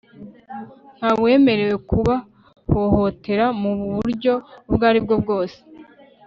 ntawemerewe kubahohotera mu buryo ubwo ari bwo bwose